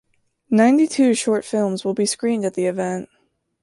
Ninety two short films will be screened at the event.